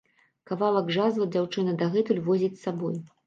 Кавалак жазла дзяўчына дагэтуль возіць з сабой.